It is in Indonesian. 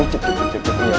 cukup cukup cukup